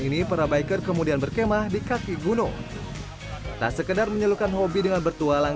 ini para biker kemudian berkemah di kaki gunung tak sekedar menyelukan hobi dengan bertualang